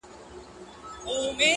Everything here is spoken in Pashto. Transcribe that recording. • لا پر ونو باندي نه ووګرځېدلی ,